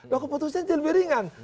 nah keputusan jauh lebih ringan